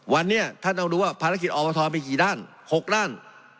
วันนี้ท่านต้องดูว่าภารกิจอบทมีกี่ด้าน๖ด้าน